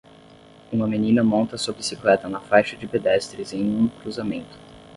Uma menina monta sua bicicleta na faixa de pedestres em um cruzamento.